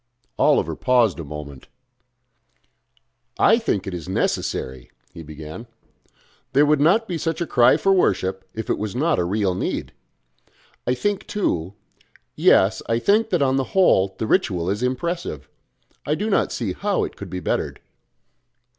Oliver paused a moment. "I think it is necessary," he began. "There would not be such a cry for worship if it was not a real need. I think too yes, I think that on the whole the ritual is impressive. I do not see how it could be bettered...."